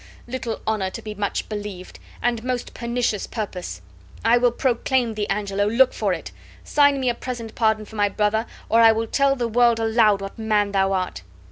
little honor to be much believed; and most pernicious purpose. I will proclaim thee, Angelo, look for it! Sign me a present pardon for my brother, or I will tell the world aloud what man thou art!"